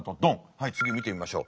はい次見てみましょう。